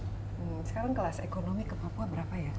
hmm sekarang kelas ekonomi ke papua berapa ya